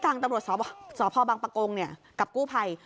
ทางตำรวจสพบังปะโกงกับกู้ภัย